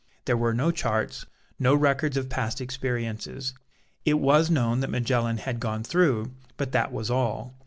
There were no charts, no records of past experiences. It was known that Magellan had gone through, but that was all.